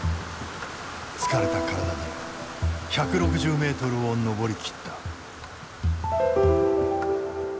疲れた体で１６０ｍを登り切った。